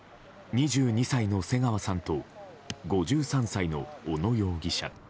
２２歳の瀬川さんと５３歳の小野容疑者。